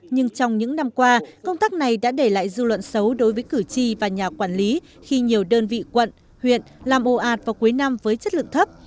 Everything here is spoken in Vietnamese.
nhưng trong những năm qua công tác này đã để lại dư luận xấu đối với cử tri và nhà quản lý khi nhiều đơn vị quận huyện làm ồ ạt vào cuối năm với chất lượng thấp